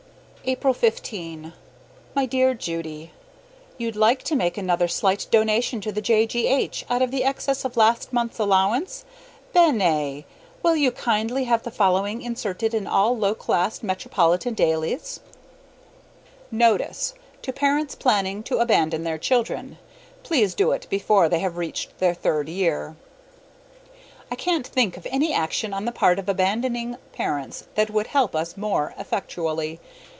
April 15. My dear Judy: You'd like to make another slight donation to the J. G. H. out of the excess of last month's allowance? BENE! Will you kindly have the following inserted in all low class metropolitan dailies: Notice! To Parents Planning to Abandon their Children: Please do it before they have reached their third year. I can't think of any action on the part of abandoning parents that would help us more effectually.